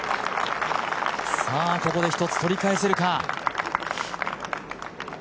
さあ、ここで一つ取り返せるか。